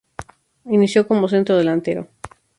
Inició como centro delantero.